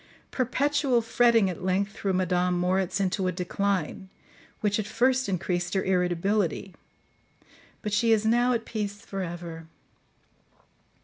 Perpetual fretting at length threw Madame Moritz into a decline, which at first increased her irritability, but she is now at peace for ever.